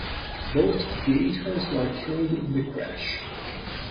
Both aviators were killed in the crash.